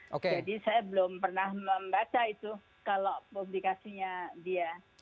jadi saya belum pernah membaca itu kalau publikasinya dia